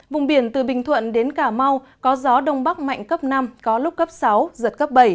vùng biển từ bình thuận đến cà mau có gió đông bắc mạnh cấp năm có lúc cấp sáu giật cấp bảy